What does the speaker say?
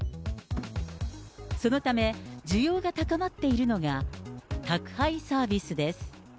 そのため、需要が高まっているのが、宅配サービスです。